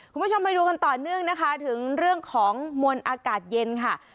คุณผู้ชมไปดูกันต่อเนื่องนะคะถึงเรื่องของมวลอากาศเย็นค่ะ